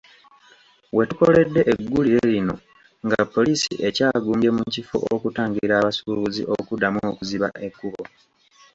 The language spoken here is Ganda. We tukoledde eggulire lino nga poliisi ekyagumbye mu kifo okutangira abasuubuzi okuddamu okuziba ekkubo.